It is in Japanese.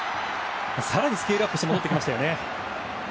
更にスケールアップして戻ってきましたよね。